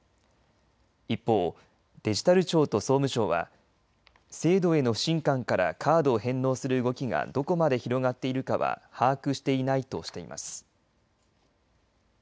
一方、デジタル庁と総務省は制度への不信感からカードを返納する動きがどこまで広がっているかは把握していないとしています。